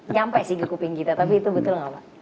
nyampe sih kekuping kita tapi itu betul